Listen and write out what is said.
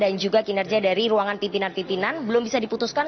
dan juga kinerja dari ruangan pimpinan pimpinan belum bisa diputuskan